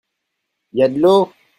Il y a de l'eau ?